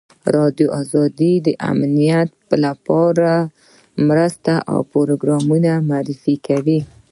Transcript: ازادي راډیو د امنیت لپاره د مرستو پروګرامونه معرفي کړي.